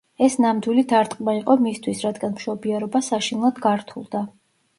ეს ნამდვილი დარტყმა იყო მისთვის, რადგან მშობიარობა საშინლად გართულდა.